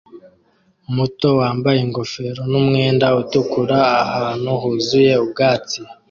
muto wambaye ingofero n'umwenda utukura ahantu huzuye ubwatsi